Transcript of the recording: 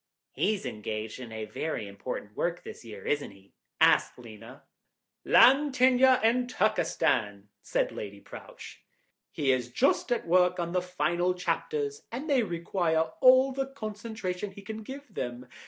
"He's engaged on a very important work this year, isn't he?" asked Lena. "'Land tenure in Turkestan,'" said Lady Prowche; "he is just at work on the final chapters and they require all the concentration he can give them.